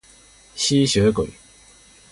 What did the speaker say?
吸血鬼